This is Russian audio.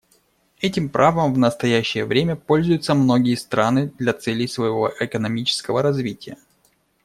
Этим правом в настоящее время пользуются многие страны для целей своего экономического развития.